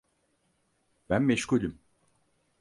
Ben meşgulüm.